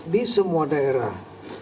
di semua daerah